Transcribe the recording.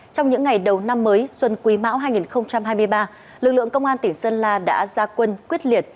trong những ngày đầu năm mới xuân quý mão hai nghìn hai mươi ba lực lượng công an tỉnh sơn la đã ra quân quyết liệt